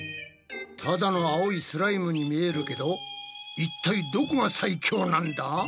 ただの青いスライムに見えるけど一体どこが最強なんだ？